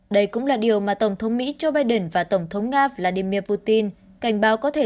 đây cũng là điều mà tổng thống mỹ joe biden và tổng thống nga vladimir putin cảnh báo có thể